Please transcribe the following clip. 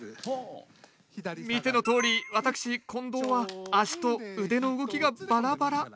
見てのとおり私近藤は足と腕の動きがバラバラ。